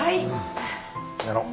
やろう。